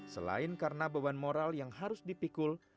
selain karena beban moral yang harus dipikul